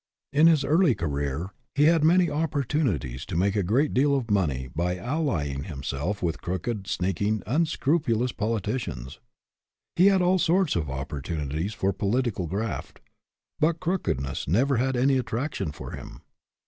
In his early career he had many opportuni ties to make a great deal of money by allying himself with crooked, sneaking, unscrupulous politicians. He had all sorts of opportunities for political graft. But crookedness never had any attraction for him.